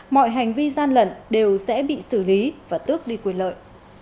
mọi hành vi gian lận đều sẽ bị xử lý và tước đi quyền lợi